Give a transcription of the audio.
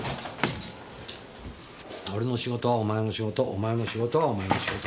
俺の仕事はお前の仕事お前の仕事はお前の仕事。